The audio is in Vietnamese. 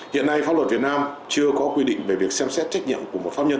hiện nay pháp luật việt nam chưa có quy định về việc xem xét trách nhiệm của một pháp nhân